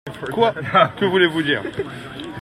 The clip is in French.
Quoi ? que voulez-vous dire ?…